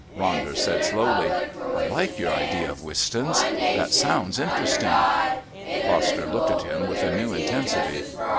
Ronder said slowly. "I like your idea of Wistons. That sounds interesting." Foster looked at him with a new intensity.